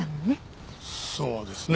そうですね。